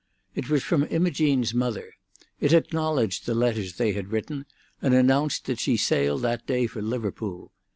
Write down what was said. It was from Imogene's mother; it acknowledged the letters they had written, and announced that she sailed that day for Liverpool.